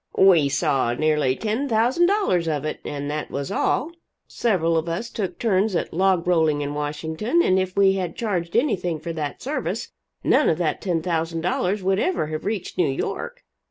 "We saw nearly ten thousand dollars of it and that was all. Several of us took turns at log rolling in Washington, and if we had charged anything for that service, none of that $10,000 would ever have reached New York."